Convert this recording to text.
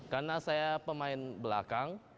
karena saya pemain belakang